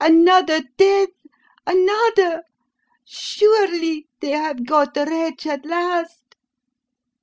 "Another death another! Surely they have got the wretch at last?"